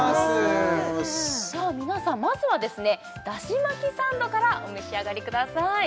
さあ皆さんまずはですねだし巻きサンドからお召し上がりください